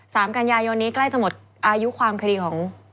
กันยายนนี้ใกล้จะหมดอายุความคดีของ